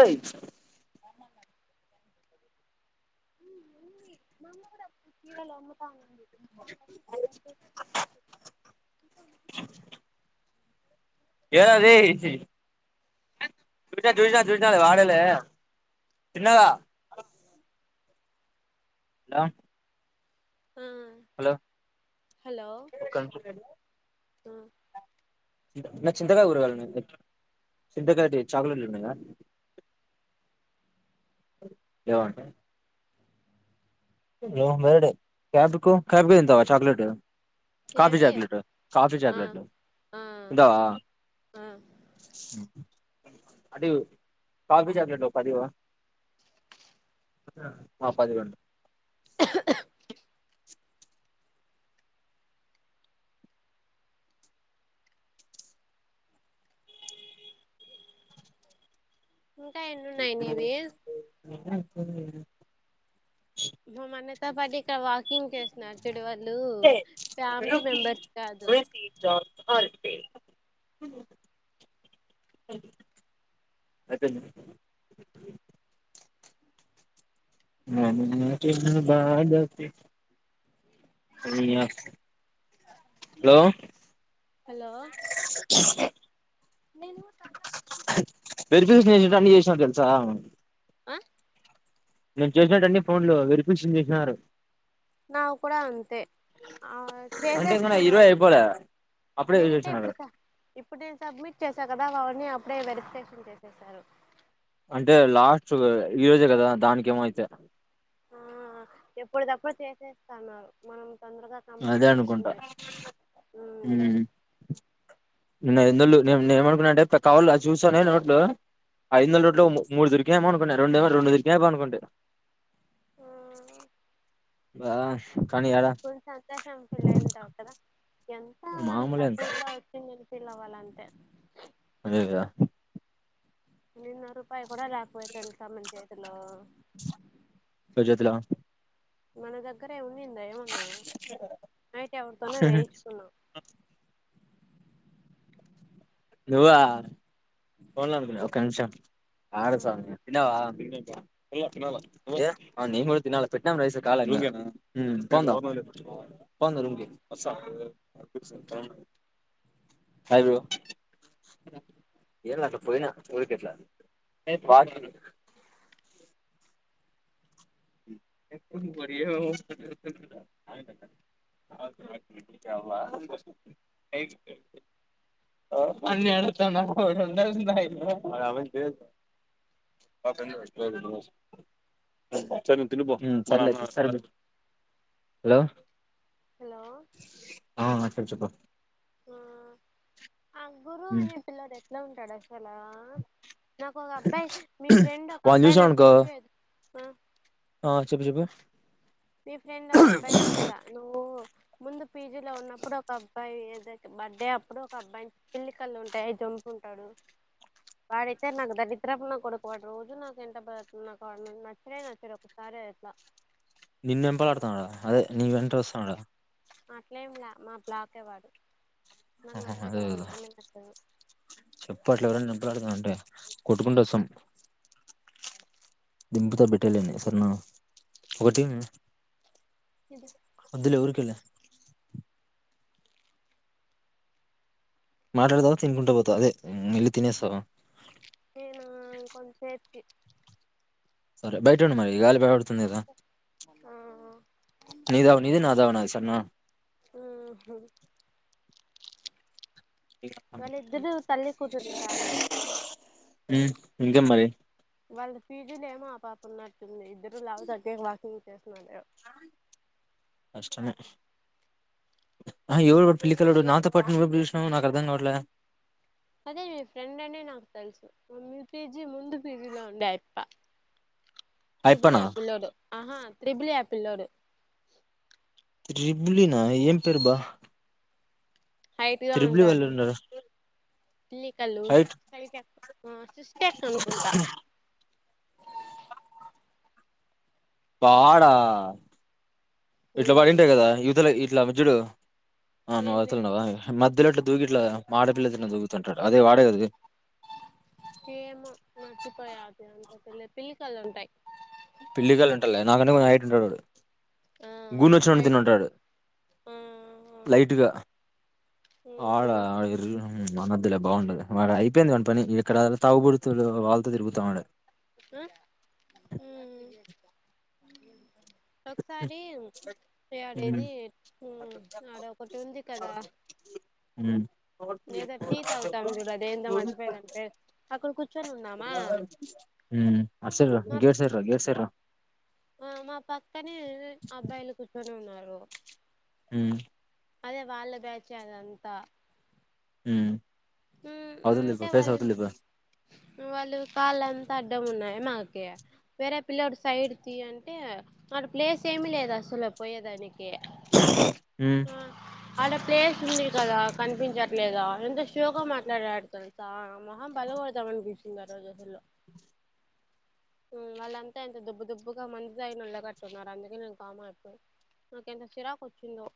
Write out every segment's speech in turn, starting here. ఏయ్ [inaudible] ఉంది. మా అమ్మ కూడా చీరలు [inaudible] ఏరా రేయ్ చూసినా చూసినా వాడలే చిన్నాన హలో హ్మ్ హలో హలో ఒక్క నిమిషం ఆ అన్న చింతకాయ కూరగాయాలు ఉన్నాయా, చింతకాయటి చాక్లెట్లు ఉన్నాయా లేవంట మేడం క్యాపికో కాఫీ తింటావా చాక్లేట్ కాఫీ ఏవి చాక్లెట్ కాఫీ ఆ చాక్లెట్లు ఆ తింటావా ఆ ఆంటీ కాఫీ చాక్లెట్లు ఒక పదివ్వవా పదిఇవ్వండి. ఆహు అహు ఇంకా ఎన్నున్నాయి నీవి [unintelligible] [unintelligible] మనతో పాటి ఇక్కడ వాకింగ్ చేస్తున్నారు. చూడు వాళ్ళు ఫ్యామిలీ మెంబర్స్ కాదు. అంతే అయిపొయింది. నిన్న చేసినాను బాగా [unintelligible] నీయాక్ హలో హలో [unintelligible] అన్ని చేసినా తెలుసా ఆ నేను చేసేటన్ని ఫోన్లు వెరిపిషన్ చేసినారు. నువు కూడా అంతే ఆ [unintelligible] అంటే ఇంక నా ఇరవై చేసేస్తున్నారు అయిపోలే అప్పుడే నేను ఇంకా చేసినారు ఇప్పుడు ఇప్పుడు నేను సబ్మిట్ చేసా కద మవాన్ని అప్పుడే వెరిఫికేషన్ చేసేసారు అంటే లాస్ట్ ఈరోజే కదా దానికి ఏమో అయితే ఆ ఎప్పుడి దప్పుడు చేసేస్తన్నారు మనం తొందరగా కంప్లీట్ చేస్తే అదేనుకుంట మేలు ఆ హు అందులు నే నేమ అనుకున్నాంటే కావాలొ చూస్తానే నోట్లు ఐదొందలనోట్లు మూడు దొరిక్ ఏమో అనుకున్న రెండు రెండు దొరికిన అయిపో అనుకుంటి ఆ అబ్బా కొంచ సంతోషం పుల్లయ్యటావు కదా ఎంతో కొంత మామూలే ఇంకా ఫ్రీగా వచ్చింది చిల్లవల్ల అంతే అదేగద నిన్న రూపాయి కూడాడ లేకపోయా తెలుస మనచేతిలో ఒక్క చేతిలో మన దగ్గర ఏమ కిందా ఏమన్నా నైట్ ఎరతోన్నా వెయించుకున్నా నువ్వా పోన్కు ఒక్క నిమిషం ఆడు ఆ సామి తినవా తినాలి ఎ నేను కూడా తినాలా పెట్టినము రైస్ కాల ఇంకా పోవాలా రూమ్ కి వస్తా ఏలా అ పోయినా ఊరికేట్లా అన్నడు [unintelligible] సరే నువు తిను పో హలో హలో ఆ చెప్పు ఆ ఆగ్గురు అనే పిల్ల ద్ న ఉంటాడ హలా నాకు ఒక అబ్బాయి మీ ఫ్రెండ్ ఒక వాన్ని అబ్బాయి చూసాం నాకు అనుకో రోజేదు ఆ చెప్పు చెప్పు మీ ఫ్రెండ్ ఒక అబ్బాయిని చూస నువ్వు ముందు పీజీలో ఉన్నప్పుడు ఒక అబ్బాయి ఏద బర్త్డే అప్పుడు ఒక అబ్బాయి పిల్లి కల్ళు ఉంటాయి చంపు ఉంటాడు వాడైతే నాకు దరిద్రపున కొడుకు వాడు రోజు నాకు ఎంట పడుతు నచ్చలే నచ్చడు ఒకసారి అట్లా నిన్నెంపల్ ఆడుతానడా అదే నీ వెంట వస్తాండా అట్లేంలా మా బ్లాకే వాడు నాకు ఆహ నచ్చడు అదే వాడు కద మొహమే నచ్చదు చెప్పట్ల ఎవరైనా నింపలాడుతాం అంటే కొట్టుకుంట వస్తాం దింపుతో బెటాలియనీస్ సరే నా ఒక టి వదులే ఊరికేలే మాట్లాడతావ తిన్కుంటా పోతవా అదే ఎల్లి తినేస్తావా ఏనా కొంచం సేఫ్టీ సరే బయట ఉండి మరి ఈ గాలి బ ద ఆ నీదావు నీది. నాదావు నాది సరే నా మ్ హ్ వాళ్ళిద్దరు తల్లి కూతుర్లు కాదు హ్మ్ ఇంకేం మరి వాళ్ళ పీజీలేమో ఆ పాప ఉన్నట్టుంది ఇద్దరు లావు తగ్గ వాకింగ్ చేస్తున్నారు. కష్టమే ఆహ ఎవరు పిల్లికల్లలోడు నాతో పాటు నువు ఎప్పుడు చూసినావు నాకు అర్థాంగావట్లే అదే మీ ఫ్రెండ్ అనే నాకు తెలుసు మీ పీజీ ముందు పీజీలో ఉండేయప్ప అయప్పనా త్రిబులిఆ పిల్లోడు ఆహా త్రిబిలి ఆ పిల్లోడు త్రిబులినా ఏం పేరు బా హైట్గా త్రిబులి వాళ్ళు ఉంటాడు ఉన్నారు పిల్లి కళ్ళు హైట్ చెస్ట్ ఎక్కో అనుకుంటా వాడా ఇట్ల ఉమ్ పడింటయి కదా ఇవతల లవుజూడు ఆ నువ్వు అవతల ఏంటిది ఉన్నావాయే మ దూగిట్ల మాడపిల్ల తిన్న దూగుతుంటడు అదే వాడే కద ఏమో మర్చిపోయా అది అంతా తెల్ల పిల్లి కళ్ళు ఉంటయి. పిల్లికల్లు ఉంటయిలే నాకంటే కొంచెం హైట్ ఉంటడు వాడు ఆ గునొచ్చి హైట్ తినింటాడు ఆ లైట్గా ఆడ ఉమ్ ఆ మాక్ అద్దులె బాగుండది. వాడు అయిపోయింది వాని పని ఇక్కడ తాగుబోతుడు వాళ్ళతో తిరుగుతావుండా ఆ ఉమ్ ఒకసారి ఆడేది ఆడ ఒకటి ఉంది కదా ఉమ్ ఏదో టీ తాగుతాం అండి అదేందో మర్చిపోయనంటే అక్కడ కూర్చొని ఉన్నామా ఉమ్ అటు సైడ్ రా గేట్ సైడ్ రా గేట్ సైడ్ రా ఆ మా పక్కనే అబ్బాయిలు కూర్చొని ఉన్నారు. హ్ మ్ అదే వాళ్ల బ్యాచే అదంతా హ్మ్ మ్మ్ అంటే వాళ్ళది వాళ్ళు కాళ్ళంతా అడ్డం ఉన్నా మాకే వేరే పిల్లోడు సైడ్ తీ అంటే వాడి ప్లేస్ ఏమి లేదు అసలు పోయేదానికి ఉమ్ ఆ అలా ప్లేస్ ఉంది కదా కనిపించ లేదా అందే గా మాట్లాడాడు ఆడితోని తెలుసా మొహం పల కొడదాం అనిపించింది ఆరోజసలు వాళ్ళంతా ఎంత దుబ్బు దుబ్బుగా మంది తగినోళ్ళగట్టున్నారు అందుకే నేను కామ అయిపోయిను నాకు ఎంత చిరాకు వచ్చిందో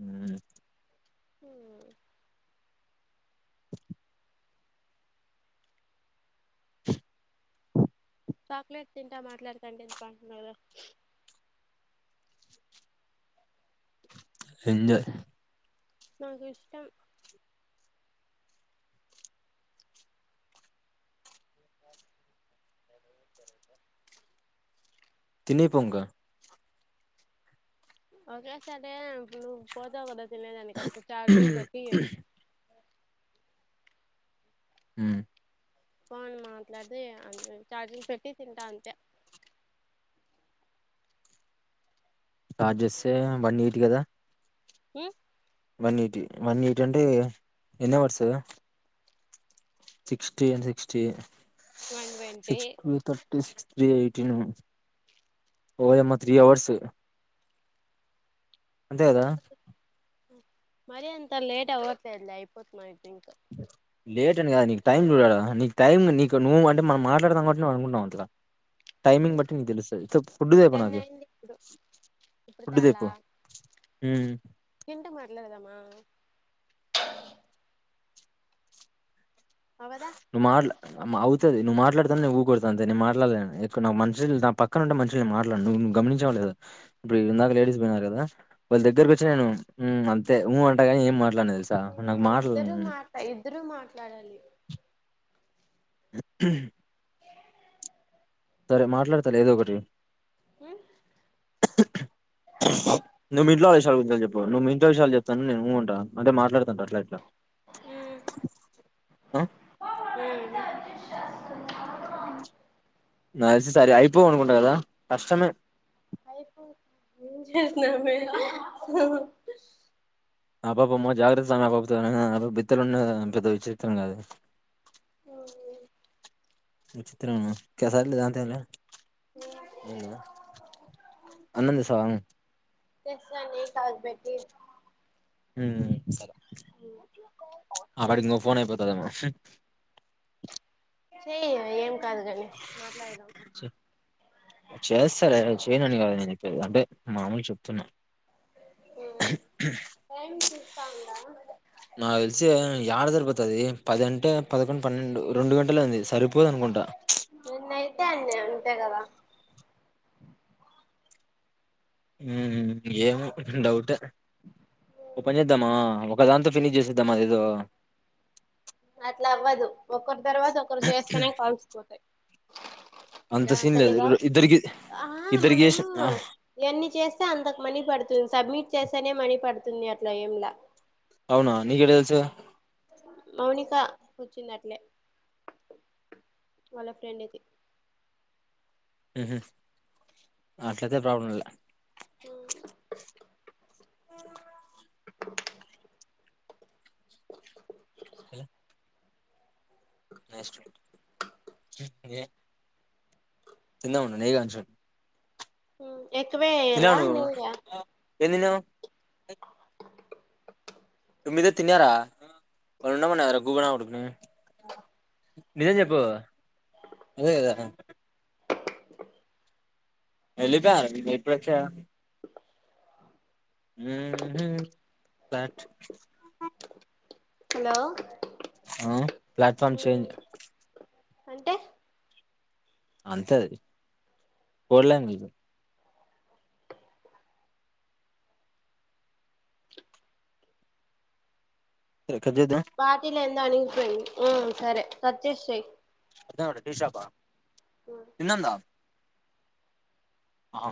హ్మ్ హ్మ్ చాక్లెట్ తింటా మాట్లాడకండి ఇంత ఎంజయ్ నాకు ఇష్టం తినీ పొంగ ఒకే సరే నువ్వు పోతావు కదా త దని కప్పు చార్జింగ్ పెట్టి హ్మ్ ఫోను మాట్లాడితే అ చార్జింగ్ పెట్టి తింటా అంతే చార్జెస్తే బన్నీటి కదా ఊ వన్ ఎయిటీ వన్ ఎయిటీ అంటే యెన్ hours sixty and sixty one twenty six thirty సి త్రీ ఎయిటీన్ ఓమా త్రీ అవర్స్ అంతే గదా మరి అంతా లేట్ అవ్వదులేండి అయిపోతుంది లేట్ అండి కదా నీకు టైం చూడాలా నీకు టైం నీకు నువ్వు అంటే మనం మాట్లాడతాం కాట్టి నువ్ అనుకుంటన్నావు అంత టైమింగ్ బట్టి నికి తెలుస్తుంది ఫుడ్ తాపో టెన్ నాకి అయింది ఇప్పుడు ఇప్పుడు ఫుడ్ తాపో హ్మ్ తింటా మాట్లాడదామా అవదా అవుతుది నువ్ మాట్లాడాను నువ్వు ఊ కొడత అంతేను మాట్లాడలేను ఎ నా మషు నా పక్కన ఉంటే మనుషళ్ నే మాట్లాడు నువ్వువవు గమనించవలేదు ఇప్పుడు ఇందాక లేడస్ పోయినారు కదా వాళ్ళ దగ్గర వచ్చి నేను ఉ అంతే ఊ అంటాగాని ఏం మాట్లాడను తెలుసా నాకు మాటలు ట్లాడలి హ సరే మాట్లాడతలే ఏదో ఒకటి నువ్ మీ ఇంట్లో విషయాలు నువ్వు మీ ఇంట్లో విషలు చెప్తా ఉండు నేను ఉ అంట అంటే మాట్లా ఊ ఆ ఊ నాకు తెలిసి సరే అయిపోవ అనుకుంటా కదా కష్టమే అయిపోయింది ఏం చేసినవే ఆ పాపమ్మ జాగ్రత్త స్వామి ఆ పాపతో బిత్తలు ఉన్న పెద్ద విచిత్రం కాదు అవును లే విచిత్రన్నా సర్లే దానితో ఏంది [unintelligible] అన్నం తెస్తవ తెస్తానే నీల్ కగబెట్టి ఉ సరే ఆ వాడికి న ఫోన్ అయపో త తమ హు సి ఏం కాదు కాని మాట్లాడదాం చేస్తారే చేయనుడి కదా నేను చెప్పే అంటే మామూలు చప్పు తన్నా టైం [unintelligible] చూస్తా ఉందా. నాకు తెల్సి యాడ సరిపోతాది. పది అంటె పదకొండు, పన్నెండు రెండు గంట అంటలేంది సరిపోదు అనుకుంటా. ఇంత అన్నే ఉంత కద ఉ ఏమొ డౌటే ఓపెన్ చేద్దామా ఒక దాంతో ఫినిష్ చేసేద్దాం. అద ఏదో అట్లా అవ్వదు ఒకరి తర్వాత, ఒకరు చేస్తేనే కలసిపోతాయి. అంత సీన్ లేదు తల్లిగా రు- ఇద్దరికి ఆహ ఇద్దరికి చేసి మనము ఆ, ఎన్ని చేస్తే అంతకు మనీ పడుతుంది. సబ్మిట్ చేస్త స్తనే మనీ పడుతుంది. అట్లా ఏంలా అవునా నీకు తెలుసా మౌనిక వచ్చింది. అట్లే వాళ్ళ ఫ్రెండ్కి హు హు అట్లయితే ప్రాబ్లం లె ఉ అ [unintelligible] హలో నెక్స్ట్ [unintelligible] చిన్న ఉన్నా నకాంష హ ఎక్కువే ఎయ్యాలా నీగా ఎం తింటావ్? మిద తిన్నారాళ్ళన్నామన్నా గబడుకు నిజం చెప్పు అదే కదా. [unintelligible] వెళ్ళిపోయారు ఇప్పుడు వచ్చావ్. ఊ హు బట్ హలో ఆ ప్లాట్ఫార్మ్ చేంజ్ అంటే అంతేది కోడలాంగజ కట్ జాయొద్ద సరిపోయింది ఊ సరే సత్యశ్రీ అద అ దషాపా ఇన్నంద ఆ